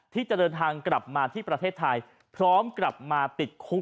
ที่จะเดินทางกลับมาที่ประเทศไทยพร้อมกลับมาติดคุก